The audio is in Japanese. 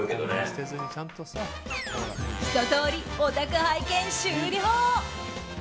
ひと通りお宅拝見終了。